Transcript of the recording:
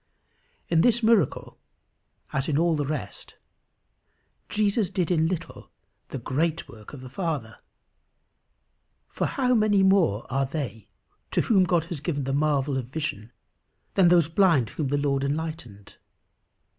In this miracle as in all the rest, Jesus did in little the great work of the Father; for how many more are they to whom God has given the marvel of vision than those blind whom the Lord enlightened!